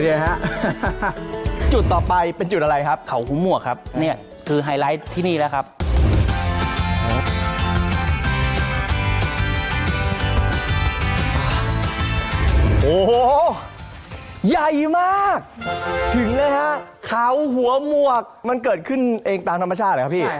โอ้โหใหญ่มากถึงเลยฮะเขาหัวหมวกมันเกิดขึ้นเองตามธรรมชาติเหรอครับพี่